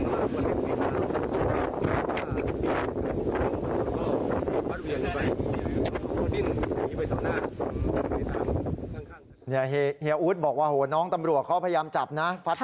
เนี้ยเฮียอุ๊ตบอกว่าโหน้องตำรวจเขาพยายามจับนะไฟล์เกิดเหยื่๑๙๕๔